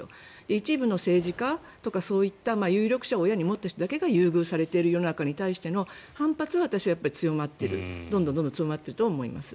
一部の政治家とかそういった有力者を親に持った人だけが優遇される社会に反発は私はどんどん強まっていると思います。